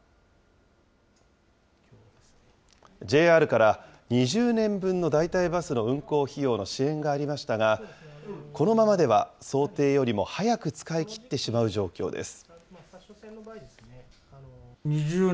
ＪＲから２０年分の代替バスの運行費用の支援がありましたが、このままでは想定よりも早く使い切ってしまう状況です。